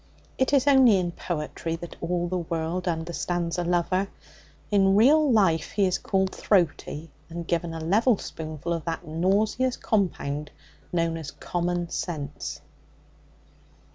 It is only in poetry that all the world understands a lover. In real life he is called throaty, and given a level spoonful of that nauseous compound known as common sense.